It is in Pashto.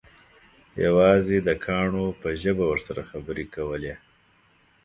یوازې د کاڼو په ژبه ورسره خبرې کولې.